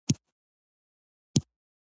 ایا زه په چوکۍ لمونځ کولی شم؟